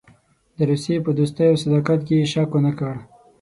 د روسیې په دوستۍ او صداقت کې یې شک ونه کړ.